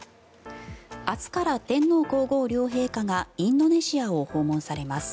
明日から天皇・皇后両陛下がインドネシアを訪問されます。